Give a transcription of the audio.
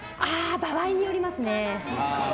場合によりますね。